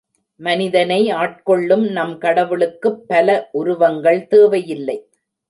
மனிதனை ஆட்கொள்ளும் நம்கடவுளுக்குப் பல உருவங்கள் தேவையில்லை.